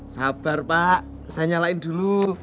sabar pak saya nyalain dulu